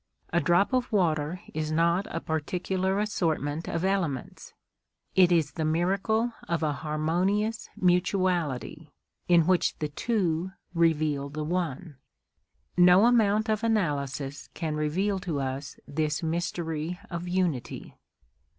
A drop of water is not a particular assortment of elements; it is the miracle of a harmonious mutuality, in which the two reveal the One. No amount of analysis can reveal to us this mystery of unity.